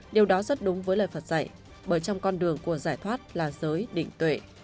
điều đó rất đúng với lời phật dạy bởi trong con đường của giải thoát là giới định tuệ